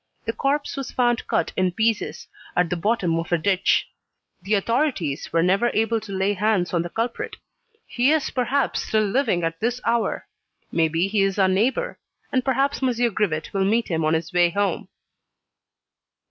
The corpse was found cut in pieces, at the bottom of a ditch. The authorities were never able to lay hands on the culprit. He is perhaps still living at this hour. Maybe he is our neighbour, and perhaps M. Grivet will meet him on his way home."